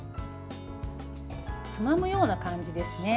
つまむような感じですね。